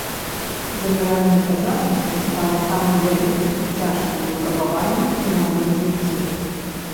Заміранне цяжарнасці стала самым вялікім і цяжкім выпрабаваннем у маім жыцці.